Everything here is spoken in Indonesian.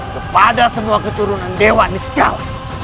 kepada semua keturunan dewa niskal